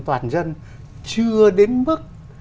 toàn dân chưa đến mức